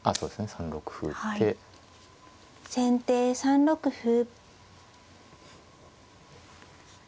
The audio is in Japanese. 先手３六歩。